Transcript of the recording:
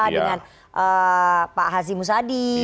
dengan pak hazi musadi